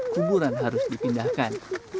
kuburan harus dipindahkan